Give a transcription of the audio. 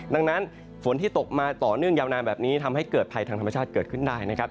ดังนั้นฝนที่ตกมาต่อเนื่องยาวนานแบบนี้ทำให้เกิดภัยทางธรรมชาติเกิดขึ้นได้นะครับ